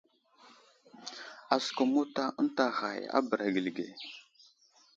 Asəkum mota ənta ghay a bəra gəli ge.